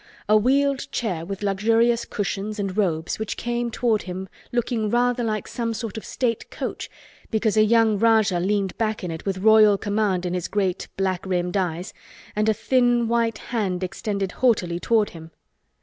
A wheeled chair with luxurious cushions and robes which came toward him looking rather like some sort of State Coach because a young Rajah leaned back in it with royal command in his great black rimmed eyes and a thin white hand extended haughtily toward him.